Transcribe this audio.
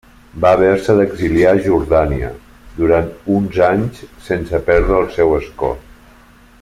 Va haver-se d'exiliar a Jordània durant uns anys sense perdre el seu escó.